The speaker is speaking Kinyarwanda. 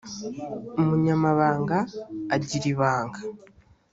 umunyamabanga agira ibanga.